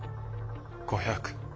５００。